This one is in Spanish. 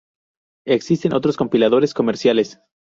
Existen otros compiladores comerciales.